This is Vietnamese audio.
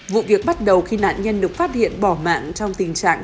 vụ việc bắt đầu khi nạn nhân được phát hiện bỏ mạng trong tình trạng